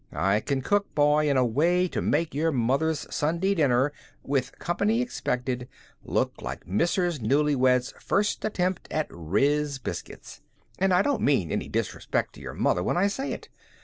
I can cook, boy, in a way to make your mother's Sunday dinner, with company expected, look like Mrs. Newlywed's first attempt at 'riz' biscuits. And I don't mean any disrespect to your mother when I say it.